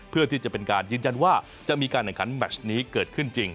เพื่อที่จะเป็นการยืนยันว่าจะมีการแข่งขันแมชนี้เกิดขึ้นจริง